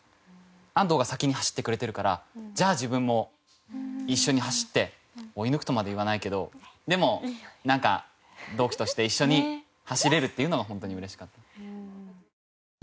安藤が先に走ってくれてるからじゃあ自分も一緒に走って追い抜くとまで言わないけどでもなんか同期として一緒に走れるっていうのは本当に嬉しかった。